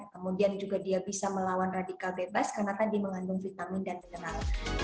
kemudian juga dia bisa melawan radikal bebas karena tadi mengandung vitamin dan mineral